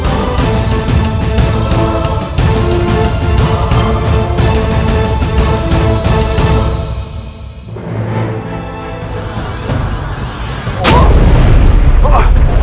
alhamdulillah pak man